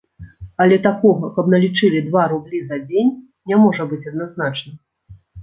Але такога, каб налічылі два рублі за дзень, не можа быць адназначна.